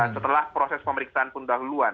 setelah proses pemeriksaan pundah huluan